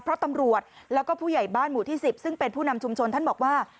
เพราะตำรวจแล้วก็ผู้ใหญ่บ้านหมู่ที่๑๐ซึ่งเป็นผู้นำชุมชนท่านบอกว่า